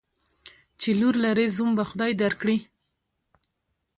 چی لور لرې ، زوم به خدای در کړي.